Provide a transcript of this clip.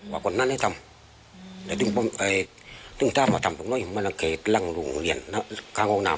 ว่าก่อนนั้นให้ทำแต่ต้องต้องถามว่าทำตรงนี้มันก็แค่ล่างโรงเรียนข้างออกน้ำ